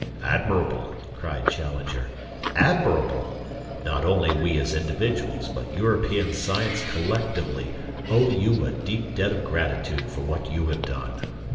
"Admirable!" cried Challenger. "Admirable! Not only we as individuals, but European science collectively, owe you a deep debt of gratitude for what you have done.